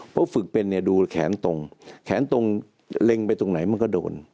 เพราะฝึกเป็นเนี่ยดูแขนตรงแขนตรงเล็งไปตรงไหนมันก็โดน